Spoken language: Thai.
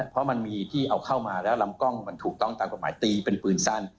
เพราะมันมีที่เอาเข้ามาแล้วลำกล้องมันถูกต้องตามกฎหมายตีเป็นปืนสั้น